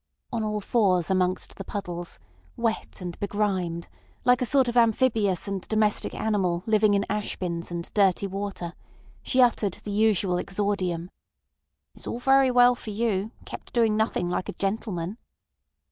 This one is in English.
On all fours amongst the puddles, wet and begrimed, like a sort of amphibious and domestic animal living in ash bins and dirty water, she uttered the usual exordium: "It's all very well for you, kept doing nothing like a gentleman."